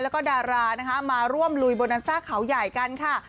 แล้วก็ดารานะคะมาร่วมลุยโบนันซ่าเขาใหญ่กันค่ะ